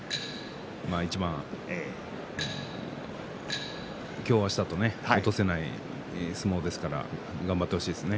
一番、今日あしたと落とせない相撲ですから頑張ってほしいですね。